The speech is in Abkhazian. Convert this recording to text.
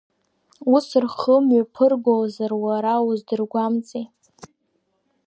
Ус рхы мҩаԥыргозар, уара уздыргәамҵи?